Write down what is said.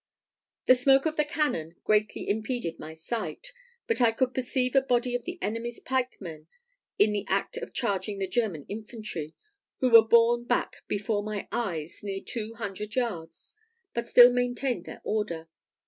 The smoke of the cannon greatly impeded my sight, but I could perceive a body of the enemy's pikemen in the act of charging the German infantry, who were borne back before my eyes near two hundred yards, but still maintained their order.